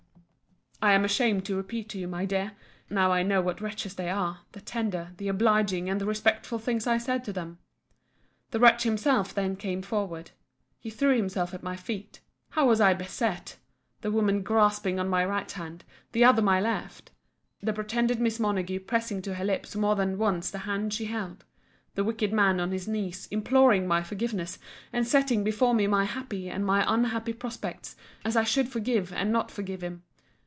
I am ashamed to repeat to you, my dear, now I know what wretches they are, the tender, the obliging, and the respectful things I said to them. The wretch himself then came forward. He threw himself at my feet. How was I beset!—The women grasping, one my right hand, the other my left: the pretended Miss Montague pressing to her lips more than once the hand she held: the wicked man on his knees, imploring my forgiveness; and setting before me my happy and my unhappy prospects, as I should forgive and not forgive him.